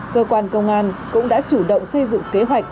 cơ quan công an cũng đã chủ động xây dựng kế hoạch